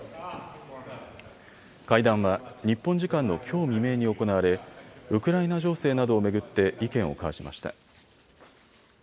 会談は日本時間のきょう未明に行われウクライナ情勢などを巡って意見を交わしました。